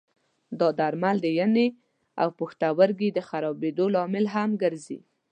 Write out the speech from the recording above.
دا درمل د ینې او پښتورګي د خرابېدو لامل هم ګرځي.